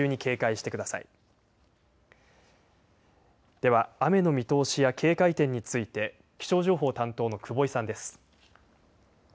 では、雨の見通しや警戒点について気象情報担当の久保井さんです。